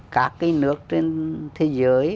các cái nước trên thế giới